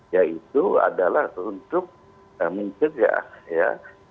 yaitu adalah untuk menjaga